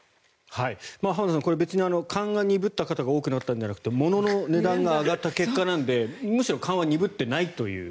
浜田さん、これ別に勘が鈍った方が多くなったんじゃなくてものの値段が上がった結果なのでむしろ勘は鈍っていないという。